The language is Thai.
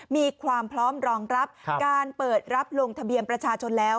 มีความพร้อมรองรับการเปิดรับลงทะเบียนประชาชนแล้ว